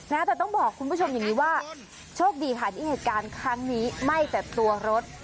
แต่ต้องบอกคุณผู้ชมอย่างนี้ว่าโชคดีค่ะที่เหตุการณ์ครั้งนี้ไหม้แต่ตัวรถ